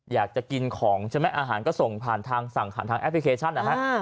อยากจะกินของใช่ไหมอาหารก็ส่งผ่านทางสั่งผ่านทางแอปพลิเคชันนะฮะ